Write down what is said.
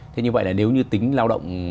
thế như vậy là nếu như tính lao động